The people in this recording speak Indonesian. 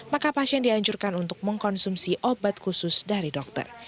maka pasien dianjurkan untuk mengkonsumsi obat khusus dari dokter